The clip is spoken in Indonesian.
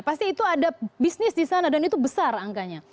pasti itu ada bisnis di sana dan itu besar angkanya